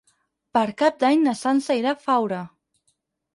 Per Cap d'Any na Sança irà a Faura.